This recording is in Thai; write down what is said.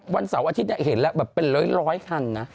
วันเสาร์อาทิตย์เนี่ยเห็นแล้วแบบเป็นเล้ยทันนะ